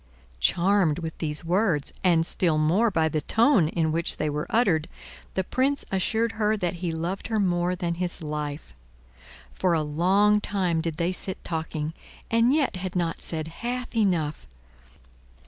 Charmed with these words, and still more by the tone in which they were uttered, the Prince assured her that he loved her more than his life. For a long time did they sit talking, and yet had not said half enough.